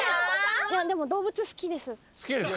でも動物好きです。